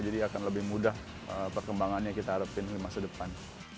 jadi akan lebih mudah perkembangannya kita harapin di masa depan